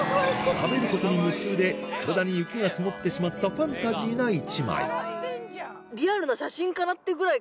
食べることに夢中で体に雪が積もってしまったファンタジーな一枚笑ってんじゃん。